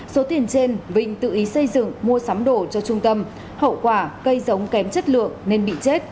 số tiền trên vinh tự ý xây dựng mua sắm đổ cho trung tâm hậu quả cây giống kém chất lượng nên bị chết